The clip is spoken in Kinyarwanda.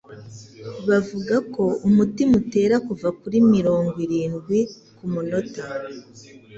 bavuga ko umutima utera kuva kuri mirongo irndwi ku munota